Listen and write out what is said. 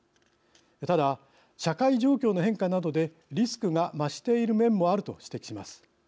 ただ、社会状況の変化などでリスクが増している面もあると指摘します。